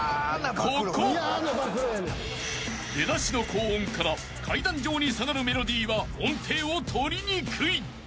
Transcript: ［出だしの高音から階段状に下がるメロディーは音程を取りにくい］